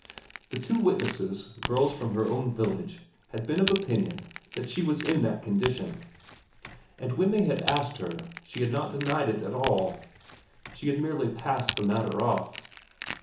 The two witnesses, girls from her own village, had been of opinion that she was in that condition; but when they had asked her, she had not denied it at all, she had merely passed the matter off.